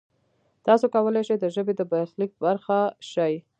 تاسو کولای شئ د ژبې د برخلیک برخه شئ.